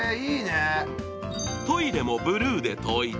トイレもブルーで統一。